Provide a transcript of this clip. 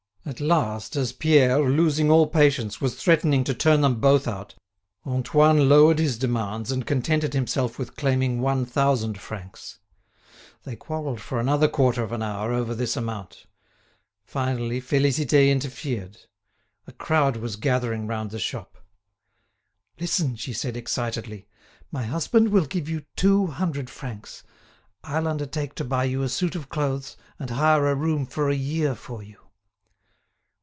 At last, as Pierre, losing all patience, was threatening to turn them both out, Antoine lowered his demands and contented himself with claiming one thousand francs. They quarrelled for another quarter of an hour over this amount. Finally, Félicité interfered. A crowd was gathering round the shop. "Listen," she said, excitedly; "my husband will give you two hundred francs. I'll undertake to buy you a suit of clothes, and hire a room for a year for you."